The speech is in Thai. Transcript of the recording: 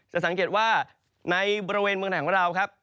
จะสังเกตว่าในบริเวณเมืองไทยของเราครับ